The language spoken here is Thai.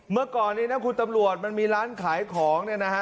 เมื่อก่อนนี้นะคุณตำรวจมันมีร้านขายของเนี่ยนะฮะ